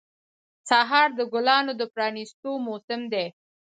سهار د ګلانو د پرانیستو موسم دی.